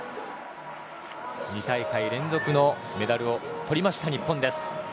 ２大会連続のメダルをとりました日本です。